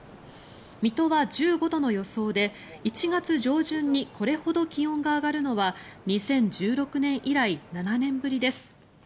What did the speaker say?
水戸は１５度の予想で１月上旬にこれほど気温が上がるのは２０１６年以来７年ぶりです。